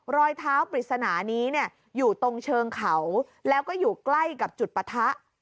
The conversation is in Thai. รอยเท้าปริศนานี้เนี่ยอยู่ตรงเชิงเขาแล้วก็อยู่ใกล้กับจุดปะทะ